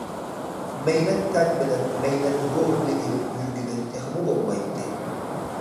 مەينەت تەن بىلەن مەينەت روھنى ئېلىپ يۈرگىلى تېخىمۇ بولمايتتى.